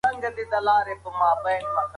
زه هره ورځ دا غږ اورم.